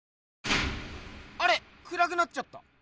あれ⁉くらくなっちゃった。